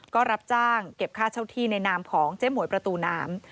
ก็รับจ้างเก็บค่าเช่าที่ในนามของเจ๊หมวยประตูน้ำ